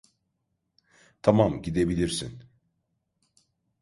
Tamam, gidebilirsin.